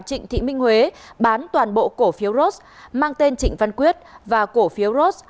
trịnh thị minh huế bán toàn bộ cổ phiếu ros mang tên trịnh văn quyết và cổ phiếu ross